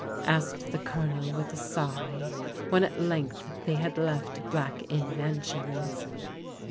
asked the G)lonel with a sigh, when at length they had left Black Inn Mansions.